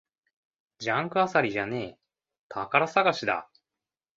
ジャンク漁りじゃねえ、宝探しだ